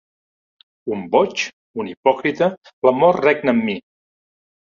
Un boig, un hipòcrita, l'amor regna en mi.